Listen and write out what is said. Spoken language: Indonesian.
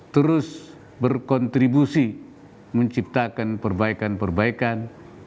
terus berkontribusi menciptakan perbaikan perbaikan